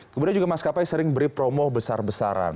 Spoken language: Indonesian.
kemudian juga mas kapai sering beri promo besar besaran